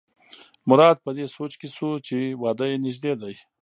مراد په دې سوچ کې شو چې واده یې نژدې دی.